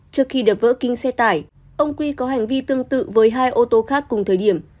trước khi đập vỡ kính xe tải ông quy có hành vi tương tự với hai ô tô khác cùng thời điểm